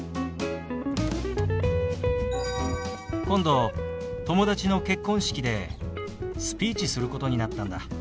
今度友達の結婚式でスピーチすることになったんだ。